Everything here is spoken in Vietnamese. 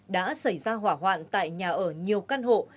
đã xảy ra hỏa hoạn tại nhà ở nhiều căn hộ